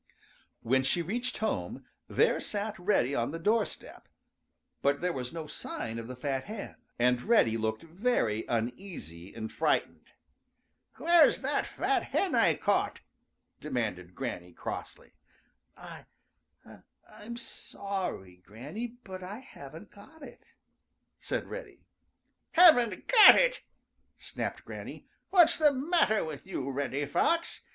When she reached home, there sat Reddy on the doorstep, but there was no sign of the fat hen, and Reddy looked very uneasy and frightened. "Where's that fat hen I caught?" demanded Granny crossly. "I I I'm sorry, Granny, but I haven't got it," said Reddy. "Haven't got it!" snapped Granny. "What's the matter with you, Reddy Fox?